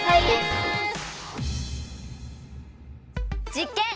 実験！